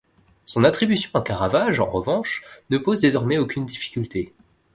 Son attribution à Caravage, en revanche, ne pose désormais aucune difficulté.